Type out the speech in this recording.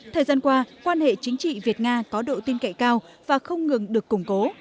thời gian qua quan hệ chính trị việt nga có độ tin cậy cao và không ngừng được củng cố